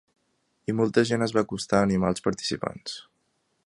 I molta gent es va acostar a animar als participats.